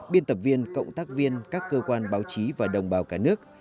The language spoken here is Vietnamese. biên tập viên cộng tác viên các cơ quan báo chí và đồng bào cả nước